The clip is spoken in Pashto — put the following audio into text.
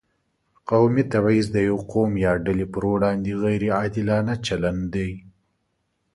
قومي تبعیض د یو قوم یا ډلې پر وړاندې غیر عادلانه چلند دی.